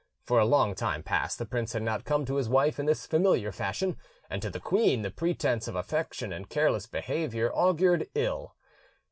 For a long time past the prince had not come to his wife in this familiar fashion, and to the queen the pretence of affection and careless behaviour augured ill.